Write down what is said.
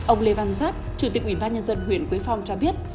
ông lê văn giáp chủ tịch ủy ban nhân dân huyện quế phong cho biết